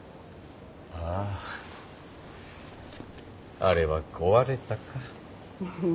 あああれは壊れたか。